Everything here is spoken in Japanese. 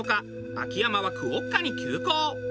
秋山はクオッカに急行。